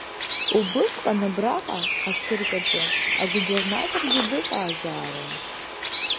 Убысҟан абраҟа, ацирк аҿы, агубернаторгьы дыҟазаарын.